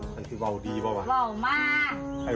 ตอนนี้เวาดีหรือเปล่าวะเวามาก